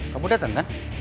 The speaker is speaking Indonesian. kamu dateng kan